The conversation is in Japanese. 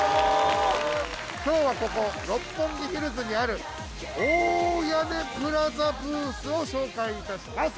今日はここ六本木ヒルズにある大屋根プラザブースを紹介致します。